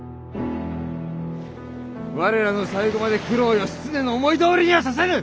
我らの最期まで九郎義経の思いどおりにはさせぬ！